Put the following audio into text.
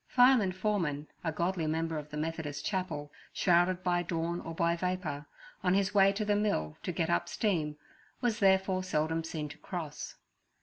Fireman Foreman—a godly member of the Methodist chapel—shrouded by dawn or by vapour, on his way to the mill to get up steam, was therefore seldom seen to cross.